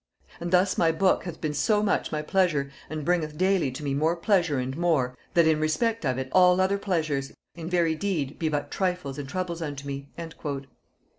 And thus my book hath been so much my pleasure, and bringeth daily to me more pleasure and more, that in respect of it, all other pleasures, in very deed, be but trifles and troubles unto me."